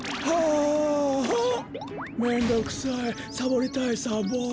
あっあサボりたいサボ。